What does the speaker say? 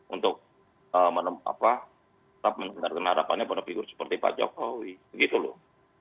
untuk tetap mendengarkan harapannya pada figur seperti pak jokowi begitu loh